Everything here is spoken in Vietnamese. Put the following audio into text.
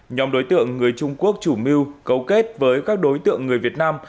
nhóm đối tượng người trung quốc chủ mưu cấu kết với các đối tượng người việt nam